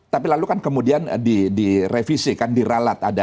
tapi lalu kan kemudian direvisikan diralat